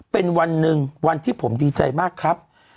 เป็นวันหนึ่งวันที่ผมดีใจมากครับ